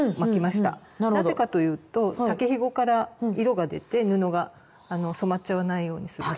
なぜかというと竹ひごから色が出て布が染まっちゃわないようにするために。